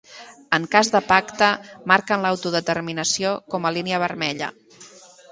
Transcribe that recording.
En cas de pacte, marquen l'autodeterminació com a línia vermella.